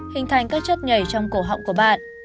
hình thành các chất nhảy trong cổ họng của bạn